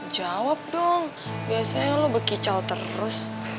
jawab dong biasanya lu bekicau terus